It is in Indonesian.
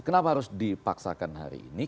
kenapa harus dipaksakan hari ini